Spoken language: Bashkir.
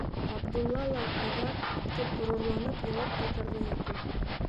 - Ғабдулла ла Айҙар! - тип ғорурланып яуап ҡайтарҙы Яҡуп.